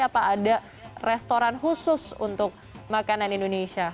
apa ada restoran khusus untuk makanan indonesia